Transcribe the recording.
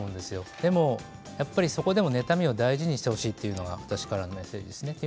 でもそこでも妬みを大事にしてほしいというのが私からのメッセージです。